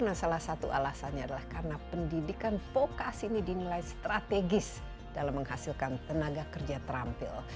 nah salah satu alasannya adalah karena pendidikan vokasi ini dinilai strategis dalam menghasilkan tenaga kerja terampil